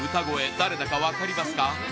誰だか分かりますか？